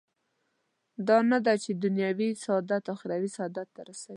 دا نه ده چې دنیوي سعادت اخروي سعادت ته رسوي.